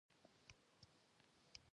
زه د ځان اصلاح ته لومړیتوب ورکوم.